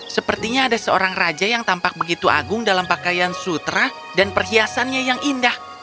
sepertinya ada seorang raja yang tampak begitu agung dalam pakaian sutra dan perhiasannya yang indah